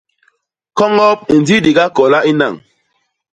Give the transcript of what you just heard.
Koñop ndi di gakola i nañ.